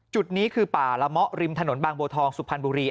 จุดนี้คือป่าละเมาะริมถนนบางบัวทองสุพรรณบุรี